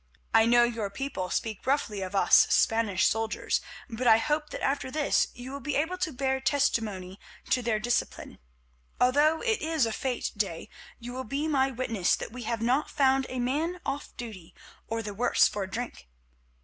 I know your people speak roughly of us Spanish soldiers, but I hope that after this you will be able to bear testimony to their discipline. Although it is a fete day you will be my witness that we have not found a man off duty or the worse for drink.